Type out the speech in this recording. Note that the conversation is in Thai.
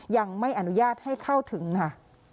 ยังไม่อนุญาตให้เข้าถึงค่ะ